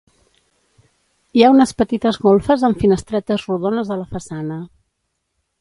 Hi ha unes petites golfes amb finestretes rodones a la façana.